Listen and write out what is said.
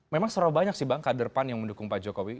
memang seberapa banyak sih bang kader pan yang mendukung pak jokowi